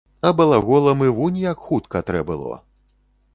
А балаголам і вунь як хутка трэ было.